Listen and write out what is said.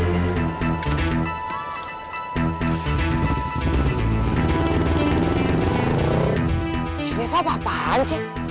ayo deh parkirin dulu deh